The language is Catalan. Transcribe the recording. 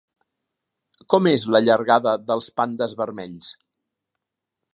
Com és la llargada dels pandes vermells?